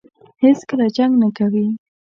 هېڅکله جنګ نه کوي.